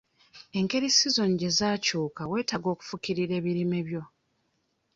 Engeri sizoni gye zaakyuka weetaaga okufukirira ebirime byo.